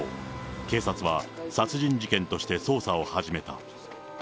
警察は殺人事件として捜査を始めた。